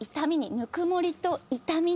「ぬくもりと痛みに」。